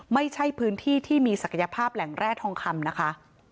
ไม่ใช่พื้นที่ที่มีศักยภาพแหล่งแร่ทองคำนะคะ